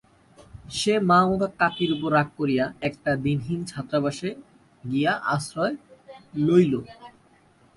সে মা ও কাকীর উপর রাগ করিয়া একটা দীনহীন ছাত্রাবাসে গিয়া আশ্রয় লইল।